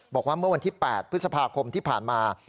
บอกว่าเมื่อวันที่๘พฤษภาคมที่ผ่านมา